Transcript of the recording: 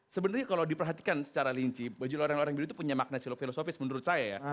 sebenarnya kalau diperhatikan secara linci baju loreng loreng biru itu punya makna filosofis menurut saya ya